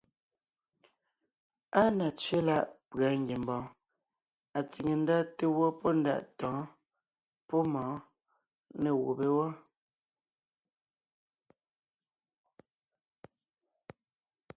Áa na tsẅé láʼ pʉ̀a ngiembɔɔn atsìŋe ndá té gwɔ́ pɔ́ ndaʼ tɔ̌ɔn pɔ́ mɔ̌ɔn nê gùbé wɔ́.